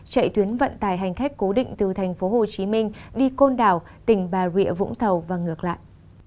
chạy tuyến vận tải hành khách cố định từ tp hcm đi côn đảo tỉnh bà rịa vũng tàu và ngược lại